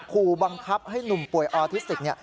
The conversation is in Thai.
ขู่บังคับให้หนุ่มป่วยออทิสติก